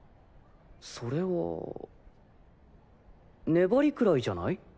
それは粘りくらいじゃない？